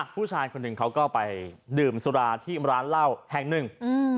ผู้ชายคนนึงเขาก็ไปดื่มสลาที่ร้านเล่าแฮงนึก